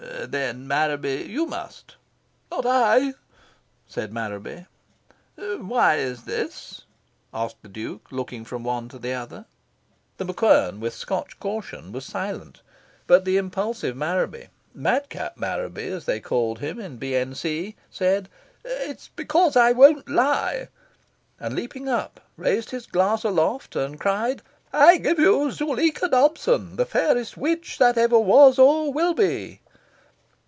"Then, Marraby, YOU must." "Not I!" said Marraby. "Why is this?" asked the Duke, looking from one to the other. The MacQuern, with Scotch caution, was silent. But the impulsive Marraby Madcap Marraby, as they called him in B.N.C. said "It's because I won't lie!" and, leaping up, raised his glass aloft and cried "I give you Zuleika Dobson, the fairest witch that ever was or will be!"